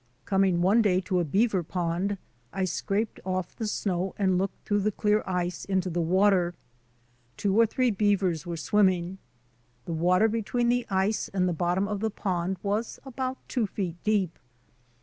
Coming one day to a beaver pond I scraped off the snow and looked through the clear ice into the water. Two or three beavers were swimming. The water between the ice and the bottom of the pond was about two feet deep.